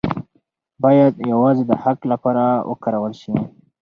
باید یوازې د حق لپاره وکارول شي.